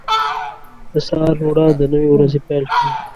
• د سهار روڼا د نوې ورځې پیل ښيي.